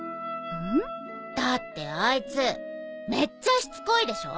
ん？だってあいつめっちゃしつこいでしょ。